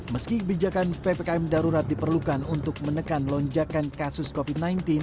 meski kebijakan ppkm darurat diperlukan untuk menekan lonjakan kasus covid sembilan belas